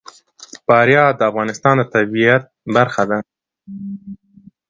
فاریاب د افغانستان د طبیعت برخه ده.